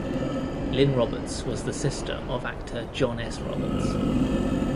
Lynne Roberts was the sister of actor John S. Roberts.